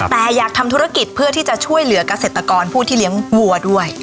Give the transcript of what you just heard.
แต่อยากทำธุรกิจเพื่อที่จะช่วยเหลือกเกษตรกรผู้ที่เลี้ยงวัวด้วย